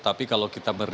tapi kalau kita berhenti